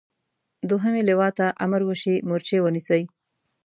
دوهمې لواء ته امر وشي مورچې ونیسي.